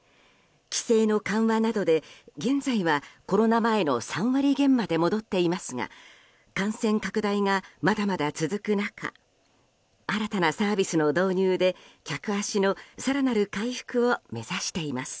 規制の緩和などで現在はコロナ前の３割減まで戻っていますが感染拡大がまだまだ続く中新たなサービスの導入で客足の更なる回復を目指しています。